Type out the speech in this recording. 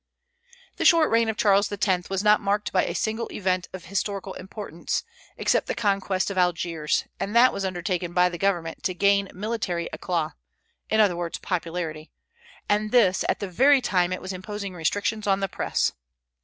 The short reign of Charles X. was not marked by a single event of historical importance, except the conquest of Algiers; and that was undertaken by the government to gain military éclat, in other words, popularity, and this at the very time it was imposing restrictions on the Press.